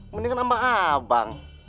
mendingan sama abang